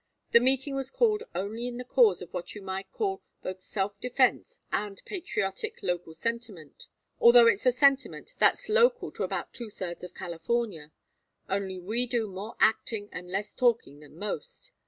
The meeting was called only in the cause of what you might call both self defence and patriotic local sentiment, although it's a sentiment that's local to about two thirds of California only we do more acting and less talking than most.